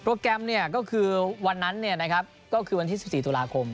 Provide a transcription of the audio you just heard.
แกรมก็คือวันนั้นก็คือวันที่๑๔ตุลาคม